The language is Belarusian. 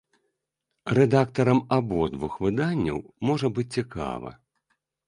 Рэдактарам абодвух выданняў можа быць цікава.